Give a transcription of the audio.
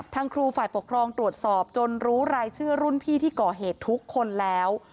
ทางครูฝ่ายปกครองตรวจสอบจนรู้รายชื่อรุ่นพี่ที่ก่อเหตุทุกคนแล้ว